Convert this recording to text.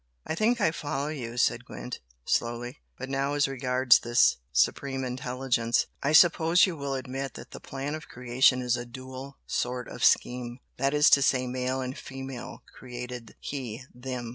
"I think I follow you" said Gwent, slowly "But now, as regards this Supreme Intelligence, I suppose you will admit that the plan of creation is a dual sort of scheme that is to say 'male and female created He them'?"